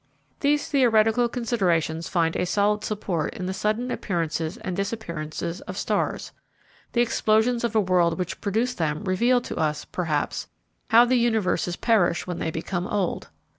These theoretical considerations find a solid support in the sudden appearances and disappearances of stars. The explosions of a world which produce them reveal to us, perhaps, how the universes perish when they become old.